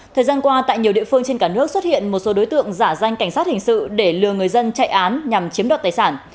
thời gian qua tại nhiều địa phương trên cả nước xuất hiện một số đối tượng giả danh cảnh sát hình sự để lừa người dân chạy án nhằm chiếm đoạt tài sản